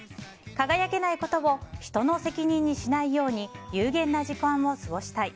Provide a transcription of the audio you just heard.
輝けないことを人の責任にしないように有限な時間を過ごしたい。